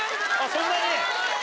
そんなに？